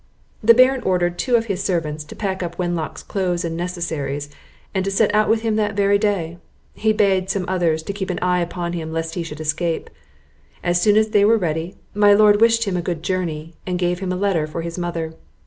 The Baron ordered two of his servants to pack up Wenlock's clothes and necessaries, and to set out with him that very day; he bade some others keep an eye upon him lest he should escape; As soon as they were ready, my Lord wished him a good journey, and gave him a letter for his mother.